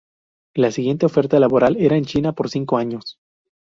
La siguiente oferta laboral era en China por cinco años.